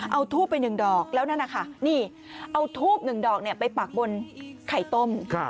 เอาทูบไป๑ดอกแล้วนั่นนะคะนี่เอาทูบหนึ่งดอกไปปักบนไข่ต้ม